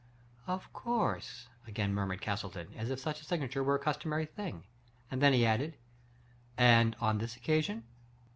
" Of course," again murmured Castleton, as if such a signature was a customary thing. Then he added, "And on this occasion?